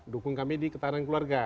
dukung kami di ketahanan keluarga